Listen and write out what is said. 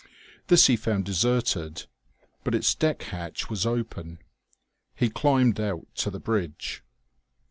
This he found deserted; but its deck hatch was open. He climbed out to the bridge.